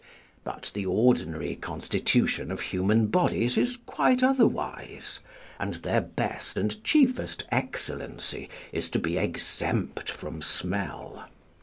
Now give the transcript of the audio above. But the ordinary constitution of human bodies is quite otherwise, and their best and chiefest excellency is to be exempt from smell.